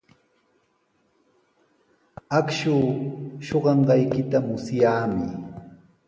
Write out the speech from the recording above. Akshuu suqanqaykita musyaami.